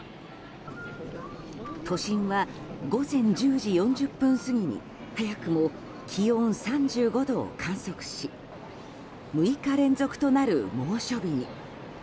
都心は午前１０時４０分過ぎに早くも気温３５度を観測し６日連続となる猛暑日に。